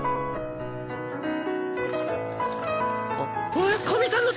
あっ。